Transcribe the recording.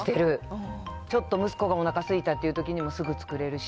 ちょっと息子がおなかすいてるっていうときにもすぐ作れるし。